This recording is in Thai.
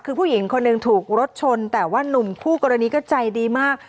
คือผู้หญิงคนหนึ่งถูกรถชนแต่ว่านุ่มคู่กรณีก็ใจดีมาก